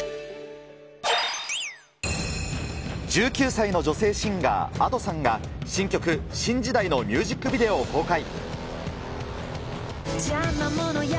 １９歳の女性シンガー、Ａｄｏさんが、新曲、新時代のミュージックビデオを公開。